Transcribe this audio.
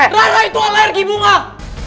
rara itu allah